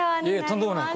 とんでもない。